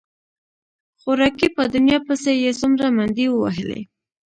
خواركى په دنيا پسې يې څومره منډې ووهلې.